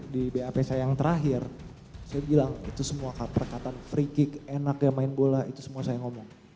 di bap saya yang terakhir saya bilang itu semua perkataan free kick enaknya main bola itu semua saya ngomong